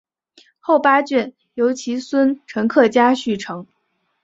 后八卷由其孙陈克家续成。